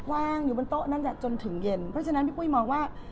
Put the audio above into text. วางอยู่บนโต๊ะนั่นแหละจนถึงเย็นเพราะฉะนั้นพี่ปุ้ยมองว่า